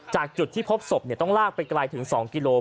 จากจุดที่พบศพต้องลากไปไกลถึง๒กิโล